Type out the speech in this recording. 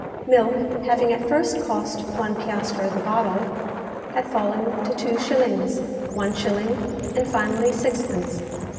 Milk, having at first cost one piastre the bottle, had fallen to two shillings, one shilling, and, finally, sixpence.